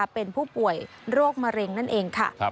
เป็นผู้ป่วยโรคมะเร็งนั่นเองค่ะ